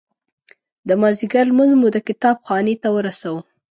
د مازدیګر لمونځ مو د کتاب خانې ته ورساوه.